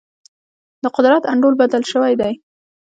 د قدرت انډول بدل شوی دی.